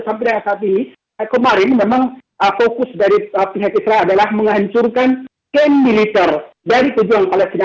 sampai saat ini kemarin memang fokus dari pihak israel adalah menghancurkan kem militer dari pejuang palestina